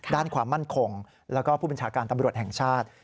ด้านความมั่นคงแล้วก็ผู้บัญชาการตำรวจแห่งชาติ